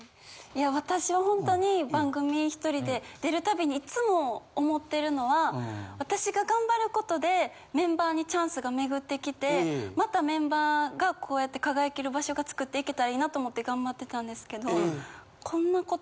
いや私はほんとに番組１人で出る度にいっつも思ってるのは私が頑張ることでメンバーにチャンスが巡ってきてまたメンバーがこうやって輝ける場所が作っていけたらいいなと思って頑張ってたんですけど。